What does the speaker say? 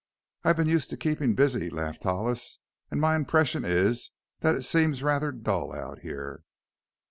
"I've been used to keeping busy," laughed Hollis, "and my impression is that it seems rather dull out here."